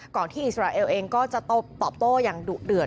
ที่อิสราเอลเองก็จะตอบโต้อย่างดุเดือด